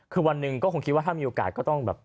คือวันหนึ่งก็คงคิดว่าถ้ามีโอกาสก็ต้องแบบ